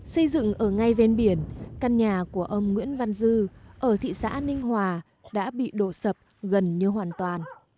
xây dựng ở ngay ven biển căn nhà của ông nguyễn văn dư ở thị xã ninh hòa đã bị đổ sập gần như hoàn toàn